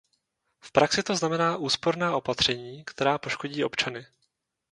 V praxi to znamená úsporná opatření, která poškodí občany.